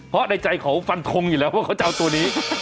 เพราะในใจเขาฟันทงอยู่แล้วว่าเขาจะเอาตัวนี้